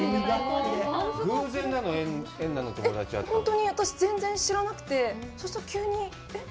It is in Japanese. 本当に私全然知らなくてそしたら急にえっ？